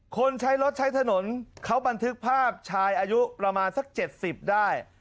คนใช้รถใช้ถนนเขาบันทึกภาพชายอายุประมาณสัก๗๐ได้